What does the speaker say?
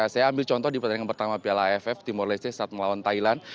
saya ambil contoh di pertandingan pertama piala aff timor leste saat melawan thailand